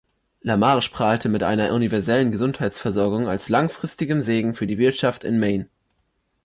LaMarche prahlte mit einer universellen Gesundheitsversorgung als langfristigem Segen für die Wirtschaft in Maine.